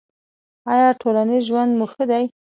ایا ټولنیز ژوند مو ښه دی؟